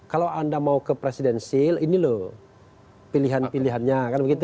kalau anda mau ke presidensil ini loh pilihan pilihannya